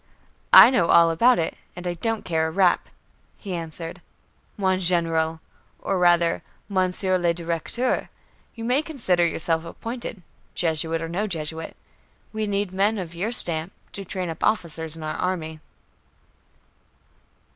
"I know all about it, and I don't care a rap," he answered. "Mon Général, or rather, Monsieur le Directeur, you may consider yourself appointed, Jesuit or no Jesuit. We need men of your stamp to train up officers in our army."